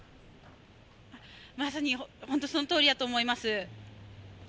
まさに、本当にそのとおりだと思います。